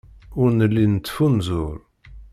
Ur nelli nettfunzur.